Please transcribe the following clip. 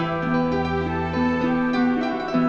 sampai jumpa lagi